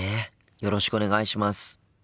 よろしくお願いします。